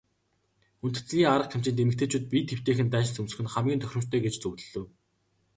Хүндэтгэлийн арга хэмжээнд эмэгтэйчүүд биед эвтэйхэн даашинз өмсөх нь хамгийн тохиромжтой гэж зөвлөлөө.